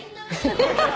ハハハ！